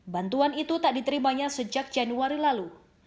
bantuan itu tak diterimanya sejak januari lalu